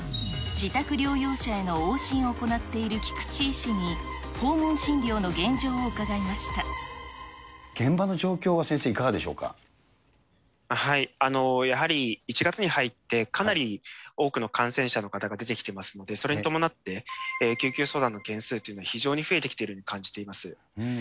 自宅療養者への往診を行っている菊池医師に、訪問診療の現状を伺現場の状況は先生、いかがでやはり１月に入って、かなり多くの感染者の方が出てきてますので、それに伴って、救急相談の件数というのが非常に増えてきているように感じています。